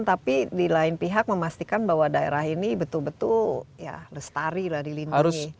tapi di lain pihak memastikan bahwa daerah ini betul betul lestari di lindungi